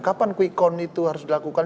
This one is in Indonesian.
kapan quick count itu harus dilakukan